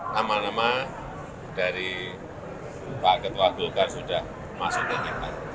nama nama dari pak ketua golkar sudah masuk ke kita